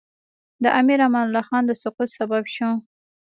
د امیر امان الله خان د سقوط سبب شو.